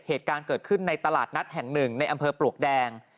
เหตุการณ์เกิดขึ้นในตลาดนัดแห่งหนึ่งในอำเภอปลวกแดง